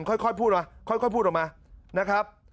ค่อยพูดมาค่อยพูดออกมานะครับ